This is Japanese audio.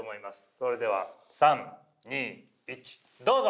それでは３２１どうぞ！